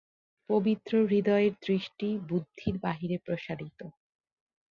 পবিত্র হৃদয়ের দৃষ্টি বুদ্ধির বাহিরে প্রসারিত।